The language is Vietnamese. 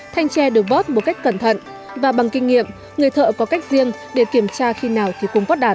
thanh tre được vớt một cách cẩn thận và bằng kinh nghiệm người thợ có cách riêng để kiểm tra khi nào thì cung vót đạt